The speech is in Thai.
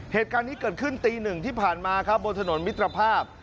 เหตุการณ์นี้เกิดขึ้นตีหนึ่งที่ผ่านมาครับบนถนนมิตรภาพ